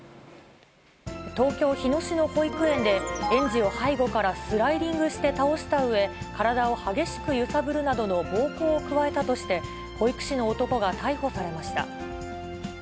東京・日野市の保育園で、園児を背後からスライディングして倒したうえ、体を激しく揺さぶるなどの暴行を加えたとして、保育士の男が逮捕されました。